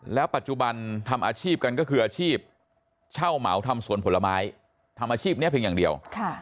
แล้วปัจจุบันทำอาชีพกันก็คืออาชีพเช่าเหมาทำสวนผลไม้ทำอาชีพนี้เพียงอย่างเดียว